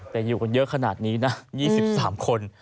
แต่อยู่กันเยอะขนาดนี้นะ๒๓คน